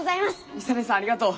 ミサ姐さんありがとう。